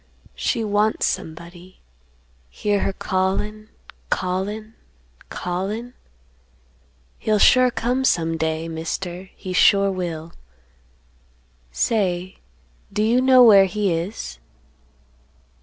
She wants somebody. Hear her callin', callin', callin'? He'll sure come some day, Mister; he sure will. Say, do you know where he is?"